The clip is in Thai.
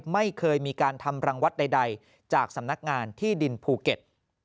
ไม่เคยมีการทำรังวัดใดจากสำนักงานที่ดินภูเก็ต